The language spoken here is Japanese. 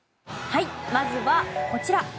まずはこちら。